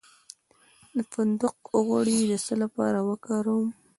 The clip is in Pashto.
د فندق غوړي د څه لپاره وکاروم؟